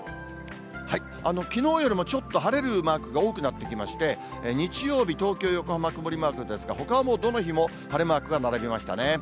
きのうよりもちょっと晴れるマークが多くなってきまして、日曜日、東京、横浜は曇りマークですが、ほかはもうどの日も晴れマークが並びましたね。